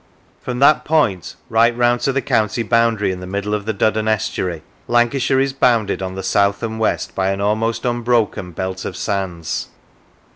From that point, right round to the county boundary in the middle of the Duddon estuary, Lancashire is bounded, on the south and west, by an almost un broken belt of sands.